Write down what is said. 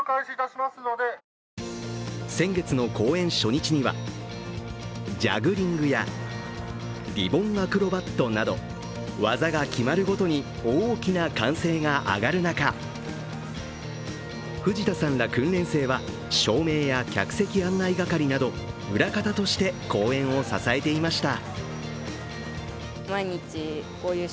先月の公演初日にはジャグリングやリボンアクロバットなど技が決まるごとに大きな歓声が上がる中藤田さんら訓練生は照明や客席案内係など裏方として公演を支えていました。